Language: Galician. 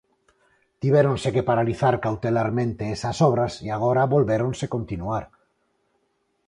Tivéronse que paralizar cautelarmente esas obras e agora volvéronse continuar.